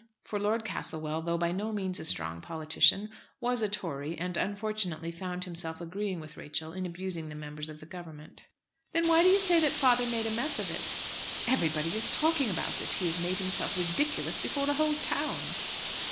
For Lord Castlewell, though by no means a strong politician, was a Tory, and unfortunately found himself agreeing with Rachel in abusing the members of the Government. "Then why do you say that father made a mess of it?" "Everybody is talking about it. He has made himself ridiculous before the whole town."